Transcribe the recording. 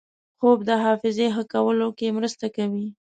خوب د حافظې ښه کولو کې مرسته کوي